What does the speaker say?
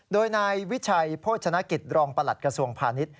โดยนายวิชัยโภชนกิจรองประหลัดกระทรวงพาณิชย